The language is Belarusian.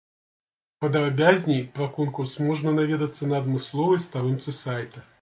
Падрабязней пра конкурс можна даведацца на адмысловай старонцы сайта.